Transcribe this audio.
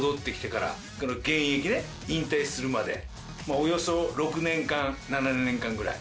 およそ６年間７年間ぐらい。